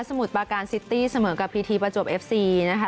มุดปาการซิตี้เสมอกับพีทีประจวบเอฟซีนะคะ